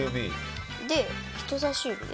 で、人さし指に。